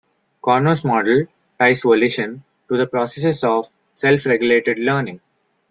Corno's model ties volition to the processes of self-regulated learning.